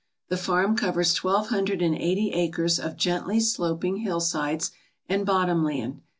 The farm covers twelve hundred and eighty acres of gently sloping hillsides and bottom land.